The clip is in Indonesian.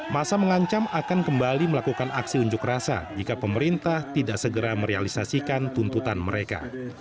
masa mengancam akan kembali melakukan aksi unjuk rasa jika pemerintah tidak segera merealisasikan tuntutan mereka